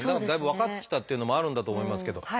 だいぶ分かってきたっていうのもあるんだと思いますけど。